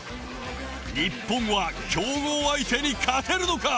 日本は強豪相手に勝てるのか？